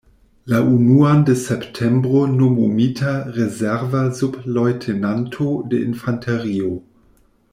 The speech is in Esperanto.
La unuan de septembro nomumita rezerva subleŭtenanto de infanterio.